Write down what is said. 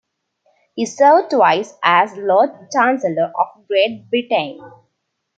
He served twice as Lord Chancellor of Great Britain.